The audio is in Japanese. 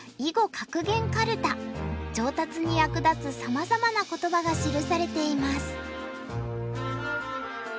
上達に役立つさまざまな言葉が記されています。